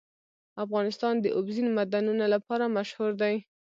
افغانستان د اوبزین معدنونه لپاره مشهور دی.